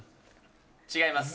違います。